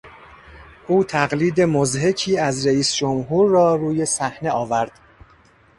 او تقلید مضحکی از رییس جمهور را روی صحنه آورد.